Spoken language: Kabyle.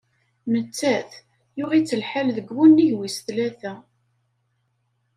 Nettat, yuɣ-itt lḥal deg wunnig wis-tlata.